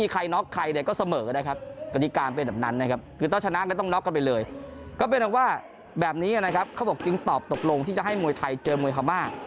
ก็เป็นจริงตอบตกลงที่จะให้มวยไทยเจอมวยฮามา